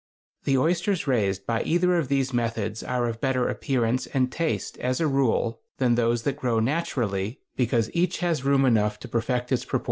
The oysters raised by either of these methods are of better appearance and taste, as a rule, than those that grow naturally, because each has room enough to perfect its proportions.